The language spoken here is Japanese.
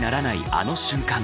あの瞬間。